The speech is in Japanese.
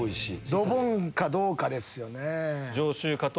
ドボンかどうかですよね。